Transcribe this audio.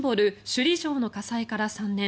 首里城の火災から３年。